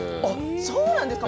そうなんですか？